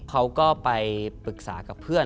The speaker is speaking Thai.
เขาก็ไปปรึกษากับเพื่อน